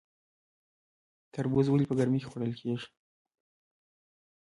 تربوز ولې په ګرمۍ کې خوړل کیږي؟